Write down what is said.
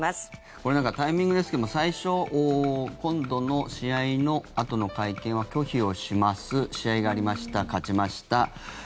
これ、タイミングですけど最初、今度の試合のあとの会見は拒否をします試合がありました、勝ちました